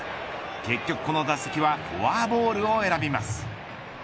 結局この打席はフォアボールを選びます。